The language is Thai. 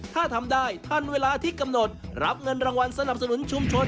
ถ้าทำได้ทันเวลาที่กำหนดรับเงินรางวัลสนับสนุนชุมชน